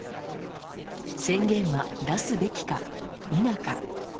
宣言は出すべきか否か。